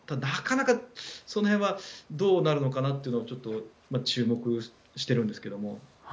なかなかその辺はどうなるのかなというのはちょっと注目しているんですけども。